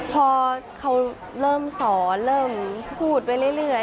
พอเขาเริ่มสอนเริ่มพูดไปเรื่อย